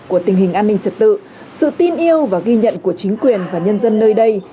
của tình hình an ninh trật tự sự tin yêu và ghi nhận của chính quyền và nhân dân nơi đây